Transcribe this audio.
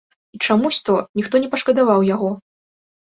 І чамусь то ніхто не пашкадаваў яго.